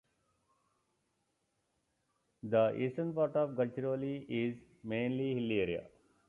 The eastern part of Gadchiroli is mainly hilly area.